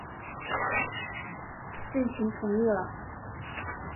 郑覃同意了。